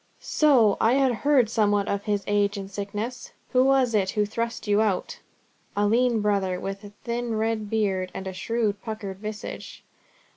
"So! I had heard somewhat of his age and sickness. Who was it who thrust you out?" "A lean brother with a thin red beard, and a shrewd, puckered visage."